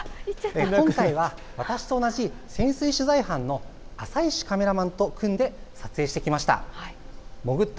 今回、私と同じ潜水取材班の浅石カメラマンと組んで撮影してきました。